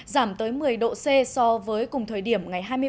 giảm tới một mươi độ c so với cùng thời điểm